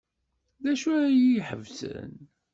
D acu ay iyi-iḥebsen?